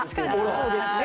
そうですね。